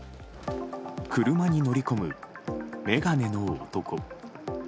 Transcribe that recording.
車に乗り込む眼鏡の男。